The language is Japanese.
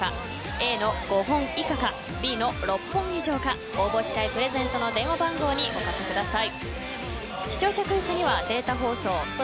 Ａの５本以下かＢの６本以上か応募したいプレゼントの電話番号におかけください。